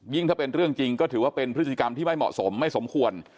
ถ้าเป็นเรื่องจริงก็ถือว่าเป็นพฤติกรรมที่ไม่เหมาะสมไม่สมควร